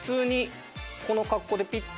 この格好でピッ！